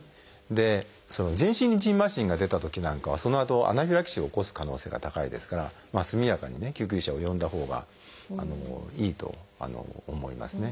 で全身にじんましんが出たときなんかはそのあとアナフィラキシーを起こす可能性が高いですから速やかに救急車を呼んだほうがいいと思いますね。